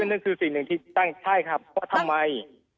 นั่นคือสิ่งหนึ่งที่ตั้งใช่ครับว่าทำไม